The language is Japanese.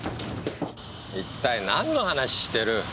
一体何の話してる？